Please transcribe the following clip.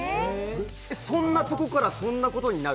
そんなところから、そんなことになる？